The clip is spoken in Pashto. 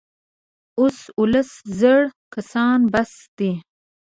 اوس اوولس زره کسان بس دي.